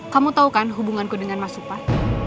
kamu tau kan hubunganku dengan mas upah